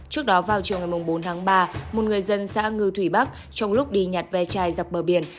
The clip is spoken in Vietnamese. trước đó vào chiều ngày bốn tháng ba một người dân xã ngư thủy bắc trong lúc đi nhặt ve chai dọc bờ biển